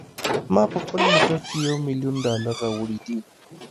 ما په خپل موټر کې یو میلیون ډالره راوړي دي.